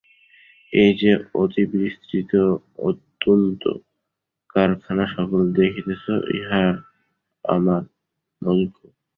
এই যে অতিবিস্তৃত, অত্যুন্নত কারখানাসকল দেখিতেছ, ইহারা আমার মধুক্রম।